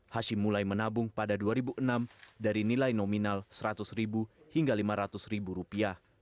hashim mulai menabung pada dua ribu enam dari nilai nominal seratus ribu hingga lima ratus rupiah